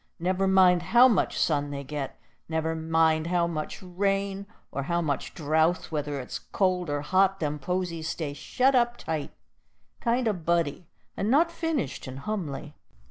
Never mind how much sun they get, never mind how much rain or how much drouth, whether it's cold or hot, them posies stay shet up tight, kind o' buddy, and not finished and humly.